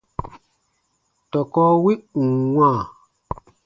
Tɔkɔ wi ù n wãa,